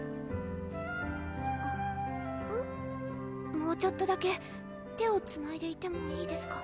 もうちょっとだけ手をつないでいてもいいですか？